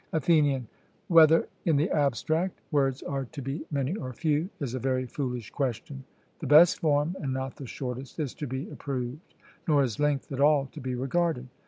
ATHENIAN: Whether, in the abstract, words are to be many or few, is a very foolish question; the best form, and not the shortest, is to be approved; nor is length at all to be regarded.